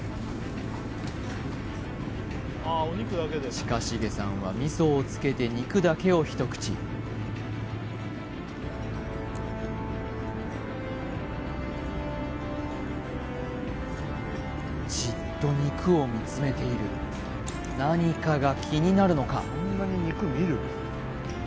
近重さんは味噌をつけて肉だけを一口ジッと肉を見つめている何かが気になるのか？